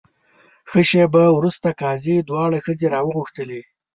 ښه شېبه وروسته قاضي دواړه ښځې راوغوښتلې.